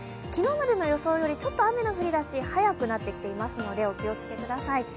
昨日までの予想より雨の降りだし早くなっていますのでお気をつけください。